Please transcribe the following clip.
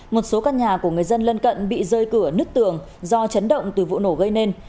một số căn nhà của người dân lân cận bị rơi cửa nứt tường do chấn động từ vụ nổ gây nên